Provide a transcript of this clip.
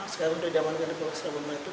sekarang sudah diamankan ke rumah